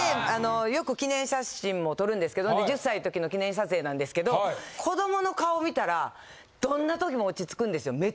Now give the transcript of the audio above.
よく記念写真も撮るんですけど、１０歳のときの記念撮影なんですけど、子どもの顔見たら、どんなときも落ち着くんですよ。